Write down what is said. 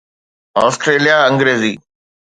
Australia Angrezi